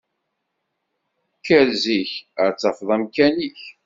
Kker zik, ad tafeḍ amkan-ik.